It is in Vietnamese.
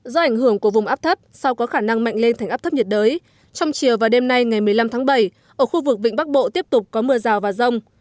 do ảnh hưởng của vùng áp thấp sao có khả năng mạnh lên thành áp thấp nhiệt đới trong chiều và đêm nay ngày một mươi năm tháng bảy ở khu vực vịnh bắc bộ tiếp tục có mưa rào và rông